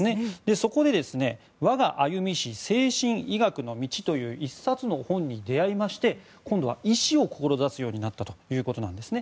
そこで「わが歩みし精神医学の道」という１冊の本に出合いまして今度は医師を志すようになったということなんですね。